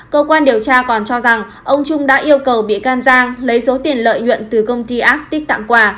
cơ quan điều tra còn cho rằng ông trung đã yêu cầu bị can giang lấy số tiền lợi nhuận từ công ty ác tích tặng quà